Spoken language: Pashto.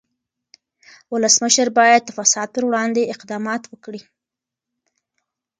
ولسمشر باید د فساد پر وړاندې اقدامات وکړي.